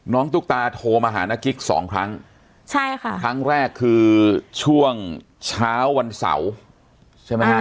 ตุ๊กตาโทรมาหานกิ๊กสองครั้งใช่ค่ะครั้งแรกคือช่วงเช้าวันเสาร์ใช่ไหมฮะ